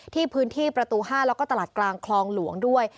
ที่พื้นที่ประตู๕แล้วก็ตลาดกลางคลองหลวงด้วย